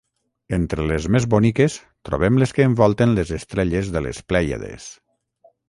Entre les més boniques trobem les que envolten les estrelles de les Plèiades.